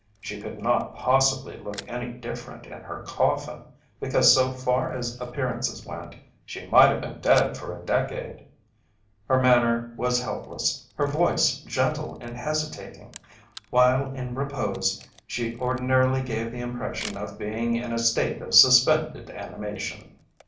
She could not possibly look any different in her coffin, because so far as appearances went she might have been dead for a decade. Her manner was helpless, her voice gentle and hesitating, while in repose she ordinarily gave the impression of being in a state of suspended animation.